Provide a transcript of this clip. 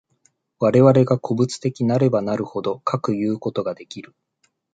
我々が個物的なればなるほど、かくいうことができる。